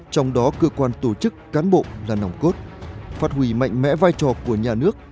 trong đó cơ quan tổ chức cán bộ là nòng cốt phát hủy mạnh mẽ vai trò của nhà nước